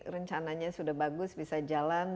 rencananya sudah bagus bisa jalan